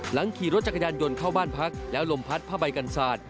ขี่รถจักรยานยนต์เข้าบ้านพักแล้วลมพัดผ้าใบกันสาด